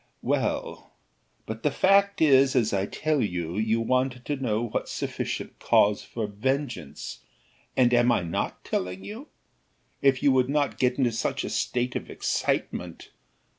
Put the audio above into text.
"Well, but the fact is as I tell you; you wanted to know what sufficient cause for vengeance, and am not I telling you? If you would not get into such a state of excitement!